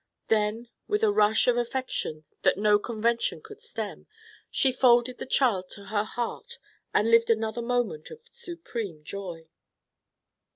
Then with a rush of affection that no convention could stem, she folded the child to her heart and lived another moment of supreme joy.